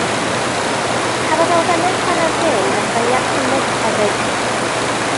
Cafodd elfennau chwarae'r gêm dderbyniad cymysg hefyd.